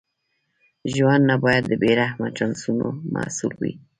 ژوند نه باید د بې رحمه چانسونو محصول وي.